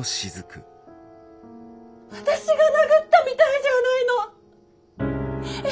私が殴ったみたいじゃあないのッ！！